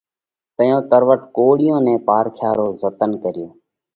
تئيون تروٽ ڪوۯِيئون نئہ پارکيا رو زتنَ ڪريو۔